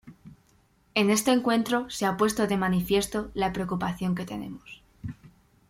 En este encuentro se ha puesto de manifiesto la preocupación que tenemos